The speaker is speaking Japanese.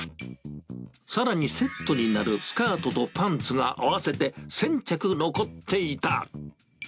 さらにセットになるスカートとパンツが、合わせて１０００着残っていた。